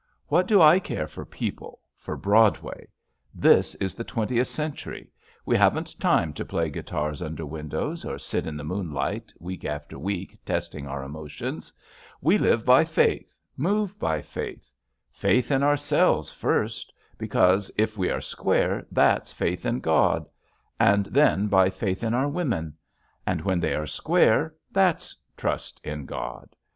What do I care for people, for Broadway? This is the twen tieth century I We haven't time to play guitars under windows or sit in the moonlight week after week testing our emotions. We live by faith, move by faith — faith in ourselves, first, because if we are square, that's faith in God; and then by faith in our women. And when they are square, that's trust in God.